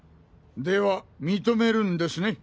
では認めるんですね？